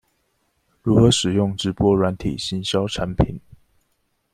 如何使用直播軟體行銷產品